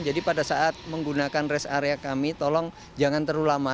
jadi pada saat menggunakan rest area kami tolong jangan terlalu lama